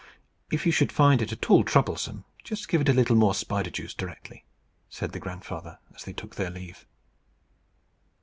"If you should find it at all troublesome, just give it a little more spider juice directly," said the grandfather, as they took their leave.